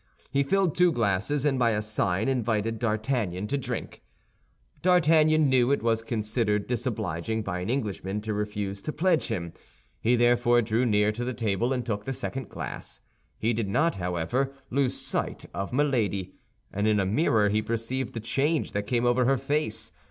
He filled two glasses, and by a sign invited D'Artagnan to drink. D'Artagnan knew it was considered disobliging by an Englishman to refuse to pledge him. He therefore drew near to the table and took the second glass. He did not, however, lose sight of Milady, and in a mirror he perceived the change that came over her face.